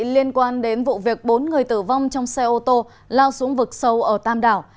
liên quan đến vụ việc bốn người tử vong trong xe ô tô lao xuống vực sâu ở tam đảo